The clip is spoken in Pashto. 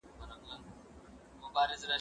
ماهى چي هر وخت له اوبو راوکاږې، تازه وي.